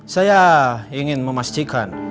saya ingin memastikan